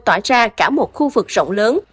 tỏa ra cả một khu vực rộng lớn